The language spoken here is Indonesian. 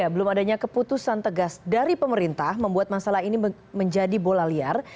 belum adanya keputusan tegas dari pemerintah membuat masalah ini menjadi bola liar